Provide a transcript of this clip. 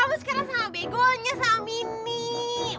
kamu sekarang sama begonya sama mini